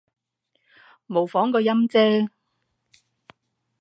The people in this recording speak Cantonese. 模仿個音啫